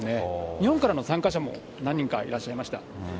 日本からの参加者も何人かいらっしゃいました。